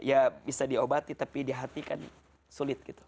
ya bisa diobati tapi di hati kan sulit gitu